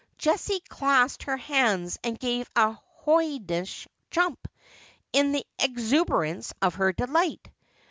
Jessie clasped her hands, and gave a hoydenish jump, in the exuberance of her delight.